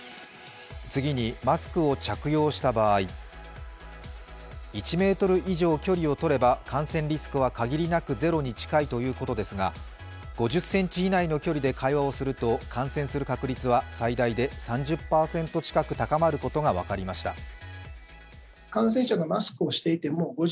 次に、マスクを着用した場合、１ｍ以上距離をとれば感染リスクはかぎりなくゼロに近いということですが、５０ｃｍ以内の距離で会話をすると感染する確率は最大で３０％近く高まることが分かりました